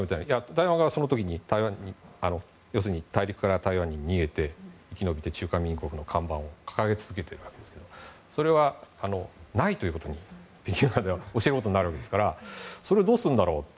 台湾側は、その時に大陸から台湾に逃げて生き延びて中華民国の看板を掲げ続けているんですがそれは、ないということを教えることになるわけですからそれをどうするんだろうと。